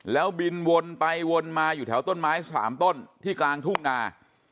แล้วบินวนไปวนมาอยู่แถวต้นไม้๓ต้นที่กลางทุ่งนา